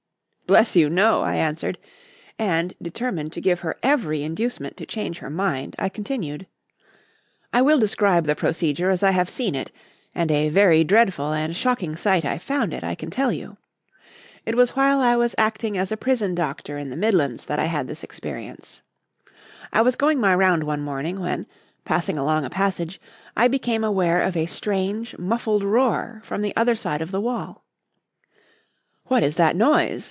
"Bless you! no," I answered; and, determined to give her every inducement to change her mind, I continued: "I will describe the procedure as I have seen it and a very dreadful and shocking sight I found it, I can tell you. It was while I was acting as a prison doctor in the Midlands that I had this experience. I was going my round one morning when, passing along a passage, I became aware of a strange, muffled roar from the other side of the wall. "'What is that noise?'